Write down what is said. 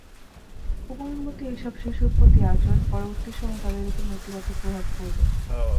কোমলমতি এসব শিশুর প্রতি আচরণ পরবর্তী সময়ে তাদের ওপর নেতিবাচক প্রভাব পড়বে।